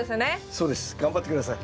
そうです。頑張って下さい。